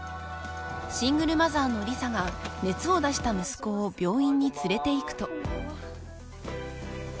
［シングルマザーの理沙が熱を出した息子を病院に連れていくと］